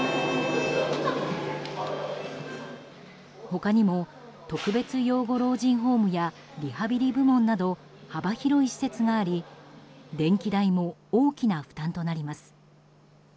他にも特別養護老人ホームやリハビリ部門など幅広い施設があり電気代も大きな負担となります。